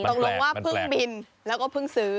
ตกลงว่าเพิ่งบินแล้วก็เพิ่งซื้อ